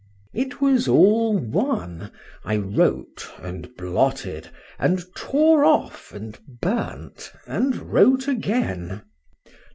—It was all one; I wrote, and blotted, and tore off, and burnt, and wrote again.